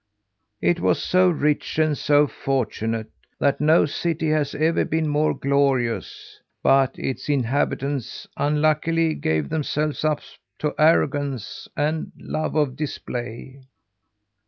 It was so rich and so fortunate, that no city has ever been more glorious; but its inhabitants, unluckily, gave themselves up to arrogance and love of display.